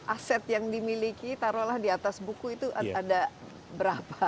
aset yang dimiliki taruhlah di atas buku itu ada berapa